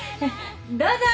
どうぞ。